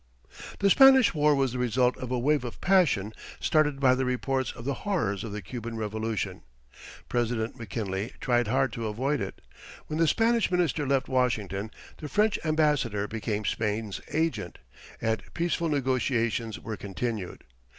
The Spanish War was the result of a wave of passion started by the reports of the horrors of the Cuban Revolution. President McKinley tried hard to avoid it. When the Spanish Minister left Washington, the French Ambassador became Spain's agent, and peaceful negotiations were continued.